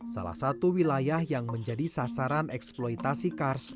salah satu wilayah yang menjadi sasaran eksploitasi kars